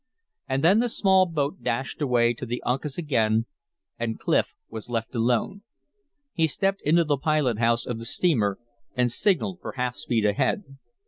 And then the small boat dashed away to the Uncas again, and Clif was left alone. He stepped into the pilot house of the steamer and signaled for half speed ahead.